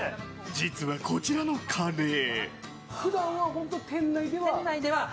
実は、こちらのカレー。